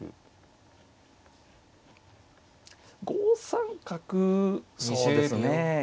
５三角そうですね